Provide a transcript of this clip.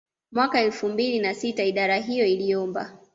Mwaka elfu mbili na sita idara hiyo iliomba